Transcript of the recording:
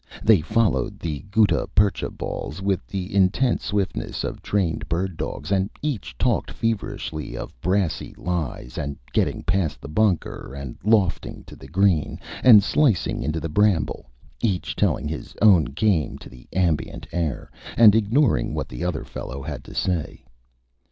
They followed the Gutta Percha Balls with the intent swiftness of trained Bird Dogs, and each talked feverishly of Brassy Lies, and getting past the Bunker, and Lofting to the Green, and Slicing into the Bramble each telling his own Game to the Ambient Air, and ignoring what the other Fellow had to say.